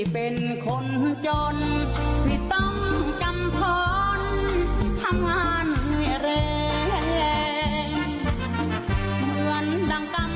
พี่ต้องกำท้อน